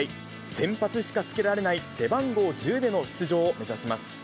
先発しかつけられない背番号１０での出場を目指します。